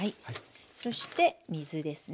そして水ですね。